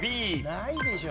ないでしょ。